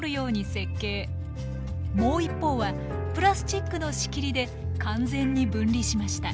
もう一方はプラスチックの仕切りで完全に分離しました。